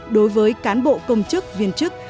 đối với cán bộ công chức viên chức